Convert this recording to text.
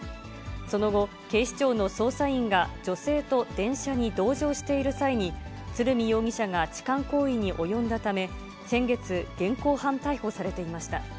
その後、警視庁の捜査員が、女性と電車に同乗している際に、鶴見容疑者が痴漢行為に及んだため、先月、現行犯逮捕されていました。